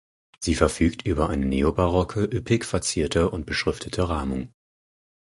Sie verfügt über eine neobarocke üppig verzierte und beschriftete Rahmung.